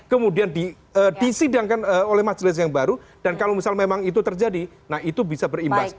kemudian disidangkan oleh majelis yang baru dan kalau misal memang itu terjadi nah itu bisa berimbas